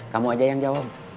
kamu aja yang jawab